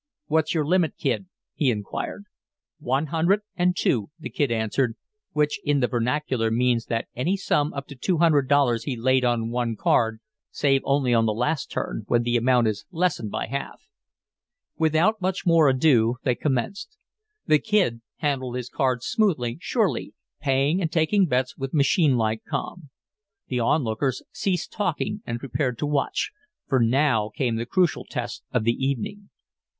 "What's your limit, Kid?" he inquired. "One hundred, and two," the Kid answered, which in the vernacular means that any sum up to $200 be laid on one card save only on the last turn, when the amount is lessened by half. Without more ado they commenced. The Kid handled his cards smoothly, surely, paying and taking bets with machine like calm. The on lookers ceased talking and prepared to watch, for now came the crucial test of the evening.